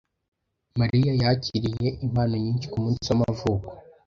Mariya yakiriye impano nyinshi kumunsi w'amavuko.